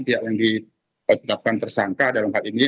pihak yang ditetapkan tersangka dalam hal ini